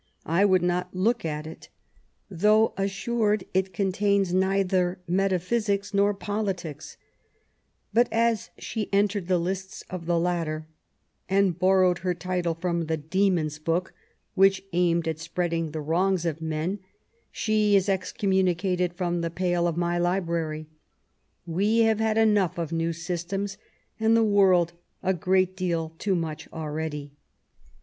I would not look at it, though assured it contains neither metaphysics nor politics ; but as she entered the lists of the latter, and borrowed her title from the demon's book which aimed at spreading the wrongs of men, she is excommunicated from the pale of my library. We have had enough of new systems, and the world a great deal too much already.